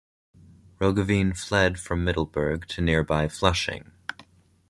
Roggeveen fled from Middelburg to nearby Flushing.